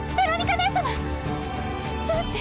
どうして？